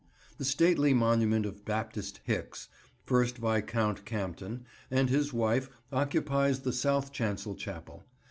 The stately monument of Baptist Hicks, first Viscount Campden, and his wife occupies the south chancel chapel.